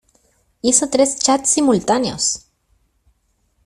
¡Hizo tres chats simultáneos!